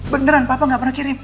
beneran papa nggak pernah kirim